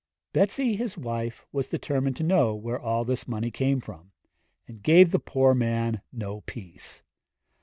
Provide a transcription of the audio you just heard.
Betsi his wife was determined to know where all this money came from, and gave the poor man no peace.